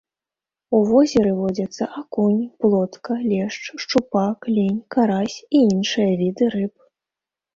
У возеры водзяцца акунь, плотка, лешч, шчупак, лінь, карась і іншыя віды рыб.